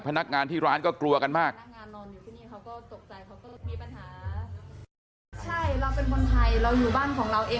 พนักงานที่ร้านก็กลัวกันมากพนักงานนอนอยู่ข้างนี้เขาก็ตกใจ